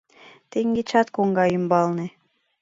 Теҥгечат коҥга ӱмбалне